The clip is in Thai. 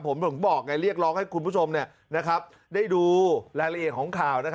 ผมถึงบอกไงเรียกร้องให้คุณผู้ชมได้ดูรายละเอียดของข่าว